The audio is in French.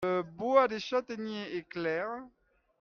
Le bois de châtaignier est clair.